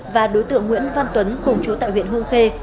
và đối tượng nguyễn văn tuấn cùng chú tại huyện hương khê